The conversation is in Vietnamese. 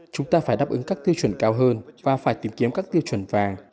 chúng ta phải đáp ứng các tiêu chuẩn cao hơn và phải tìm kiếm các tiêu chuẩn vàng